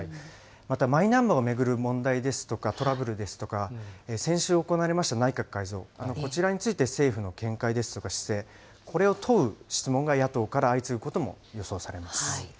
また、マイナンバーを巡る問題ですとか、トラブルですとか、先週行われました内閣改造、こちらについて、政府の見解ですとか、姿勢、これを問う質問が野党から相次ぐことも予想されます。